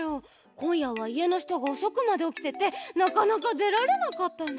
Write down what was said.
こんやはいえのひとがおそくまでおきててなかなかでられなかったの。